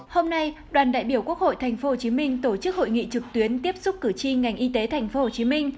hôm nay đoàn đại biểu quốc hội tp hcm tổ chức hội nghị trực tuyến tiếp xúc cử tri ngành y tế tp hcm